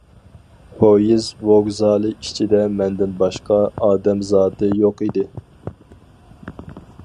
پويىز ۋوگزالى ئىچىدە مەندىن باشقا ئادەم زاتى يوق ئىدى.